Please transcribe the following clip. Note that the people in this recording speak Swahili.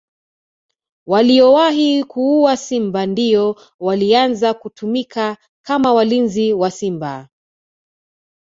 Waliowahi kuua simba ndio walianza kutumika kama walinzi wa simba